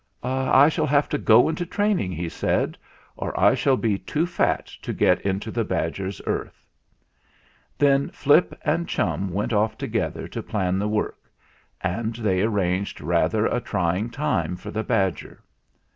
"I shall have to go into training," he said, "or I shall be too fat to get into the badger's earth." Then Flip and Chum went off together to plan the work, and they arranged rather a try ing time for the badger.